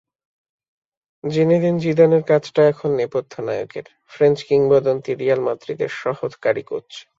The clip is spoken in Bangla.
জিনেদিন জিদানের কাজটা এখন নেপথ্য নায়কের, ফ্রেঞ্চ কিংবদন্তি রিয়াল মাদ্রিদের সহকারী কোচ।